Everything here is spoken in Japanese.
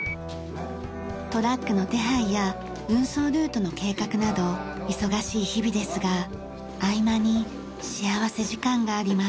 トラックの手配や運送ルートの計画など忙しい日々ですが合間に幸福時間があります。